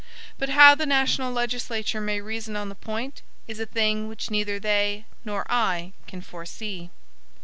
But how the national legislature may reason on the point, is a thing which neither they nor I can foresee.